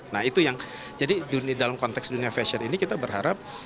nah itu yang jadi dalam konteks dunia fashion ini kita berharap